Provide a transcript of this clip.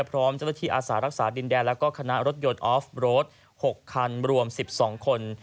พร้อมเจ้าตะที่อาสารักษารักษาดินแดนและคณะรถยนต์ออฟบรถ๖คันรวม๑๒คน